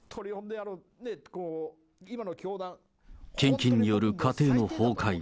献金による家庭の崩壊。